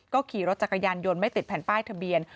ขี่รถจักรยานยนต์ไม่ติดแผ่นป้ายทะเบียน